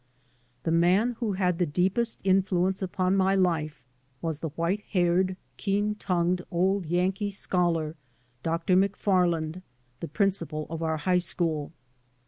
The man who had the deepest in fluence upon my life was the white haired, keen tongued old Yankee scholar, Dr. Mc Farland, the principal of our high school.